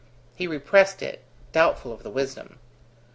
He repressed it, doubtful of the wisdom.